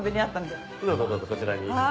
どうぞどうぞこちらに。